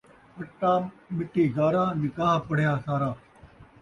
اٹا، مٹی گارا، نکاح پڑھیا سارا